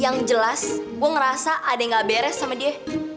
yang jelas gue ngerasa ada yang gak beres sama dia